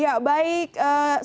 baik baik sehat